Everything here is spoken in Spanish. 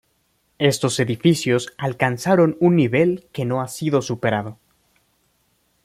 Estos edificios alcanzaron un nivel que no ha sido superado.